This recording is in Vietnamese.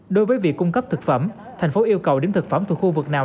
đối với việc cung cấp thực phẩm thành phố yêu cầu điểm thực phẩm thuộc khu vực nào